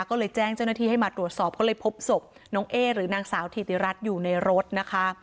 ก็เลยแจ้งเจ้าหน้าที่ให้มาตรวจสอบก็เลยพบศพน้องเอ๊หรือนางสาวถิติรัฐอยู่ในรถนะคะ